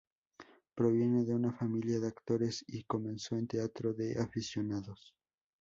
Proviene de una familia de actores y comenzó en teatro de aficionados.